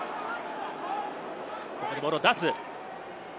ここでボールを出す。